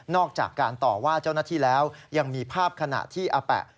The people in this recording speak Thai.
อกจากการต่อว่าเจ้าหน้าที่แล้วยังมีภาพขณะที่อาแปะ